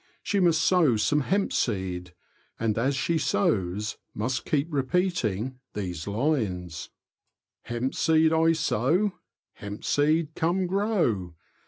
She must sow some hemp seed, and as she sows must keep repeating these lines :— Hemp seed I sow — Hemp seed, come grow!